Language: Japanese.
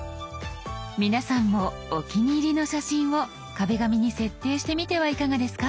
皆さんもお気に入りの写真を「壁紙」に設定してみてはいかがですか？